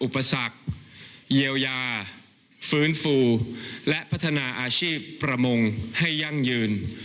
พื้นฟูและพัฒนาอาชีพประมงให้ยั่งยืน